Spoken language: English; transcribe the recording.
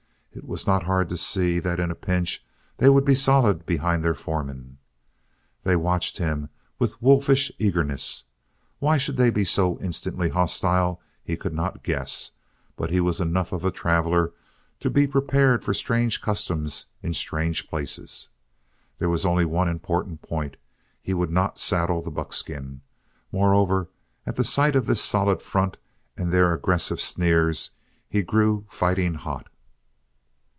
It was not hard to see that in a pinch they would be solid behind their foreman. They watched him with a wolfish eagerness. Why they should be so instantly hostile he could not guess but he was enough of a traveller to be prepared for strange customs in strange places. There was only one important point: he would not saddle the buckskin. Moreover, at sight of their solid front and their aggressive sneers he grew fighting hot.